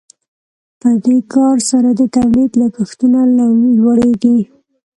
په دې کار سره د تولید لګښتونه لوړیږي.